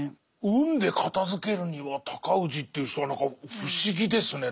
運で片づけるには尊氏という人は何か不思議ですね。